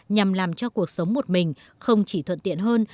nhằm làm cho cuộc sống một mình không chỉ thuận tiện hơn